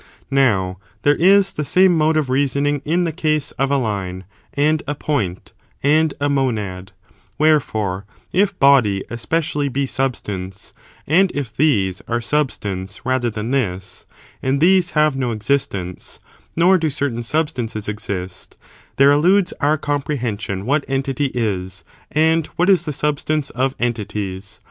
Now, there is the same mode of reasoning in the case of a line, and a point, and a monad ; wherefore, if body especially be substance, and if these are substance rather than this, and these have no existence, nor do certain substances exist, there eludes our comprehension what entity is, and what is the substance of entities.